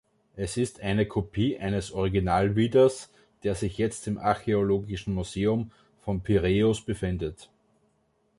Es ist eine Kopie eines Originalwidders, der sich jetzt im archäologischen Museum von Piräus befindet.